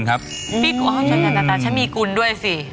ฉันมีกุ้นด้วยสิ